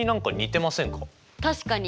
確かに！